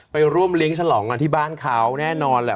ไปร่วมเลี้ยงฉลองกันที่บ้านเขาแน่นอนแหละ